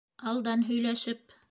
Алдан һөйләшеп!